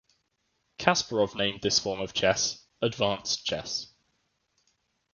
Kasparov named this form of chess "Advanced Chess".